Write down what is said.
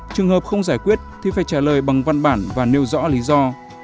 trường hợp không giải quyết thì phải trả lời bằng văn bản và nêu rõ lý do